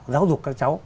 giáo dục các cháu